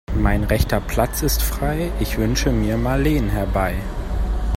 Mein rechter Platz ist frei, ich wünsche mir Marleen herbei.